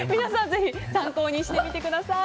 ぜひ参考にしてみてください。